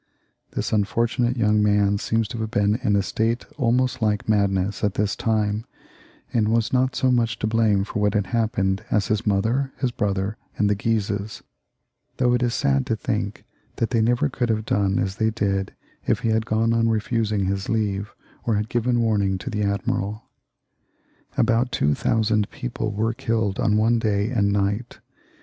This unfortunate young man seems to have been in a state almost like mad ness at this time, and is not so much to blame for what had happened as his mother, his brother, and the Guises, though it is sad to think that they never could have done as they XXXVIII.] CHARLES NC, 283 did if he had gone on refusing his leave, or had given warning to the admiral. About two thousand people were killed in one day and night.